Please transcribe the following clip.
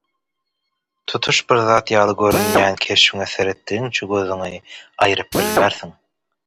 tutuş bir zat ýaly görünýän keşbine seretdigiňçe gözüňi aýryp bilmersiň